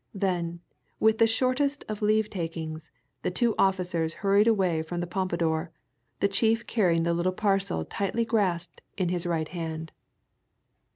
Then, with the shortest of leave takings, the two officers hurried away from the Pompadour, the chief carrying the little parcel tightly grasped in his right hand.